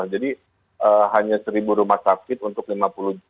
jadi hanya seribu rumah sakit untuk lima puluh seribu puskesmas untuk lima puluh juta penduduk